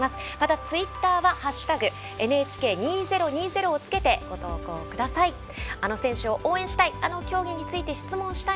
ツイッターは「＃ＮＨＫ２０２０」をつけてご投稿してください。